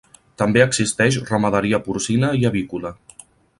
També existeix ramaderia porcina i avícola.